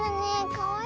かわいい。